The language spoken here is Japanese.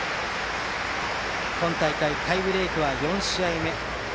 今大会タイブレークは４試合目。